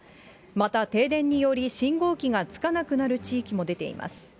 また停電により信号機がつかなくなる地域も出ています。